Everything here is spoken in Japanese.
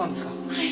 はい。